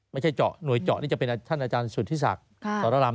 ไม่ใช่เจาะหน่วยเจาะนี่จะเป็นท่านอาจารย์สุธิศักดิ์สรรำ